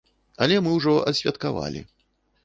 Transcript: Але мы ўжо адсвяткавалі.